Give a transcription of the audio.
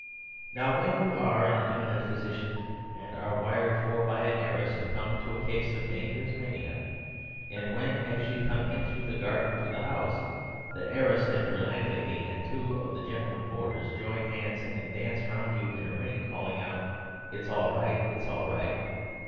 Now, when you are an eminent physician and are wired for by an heiress to come to a case of dangerous mania, and when, as you come in through the garden to the house, the heiress and her landlady and two of the gentlemen boarders join hands and dance round you in a ring, calling out, "It's all right! it's all right!"